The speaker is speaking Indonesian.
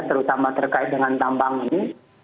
terutama terkait dengan tambang ini